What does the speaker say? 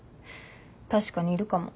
確かにいるかも。